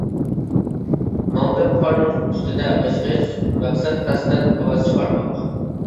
ماڭدىم قارنىڭ ئۈستىدە غىچ-غىچ، مەقسەت قەستەن ئاۋاز چىقارماق.